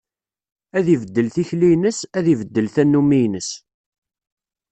Ad ibeddel tikli-ines, ad ibeddel tannumi-ines.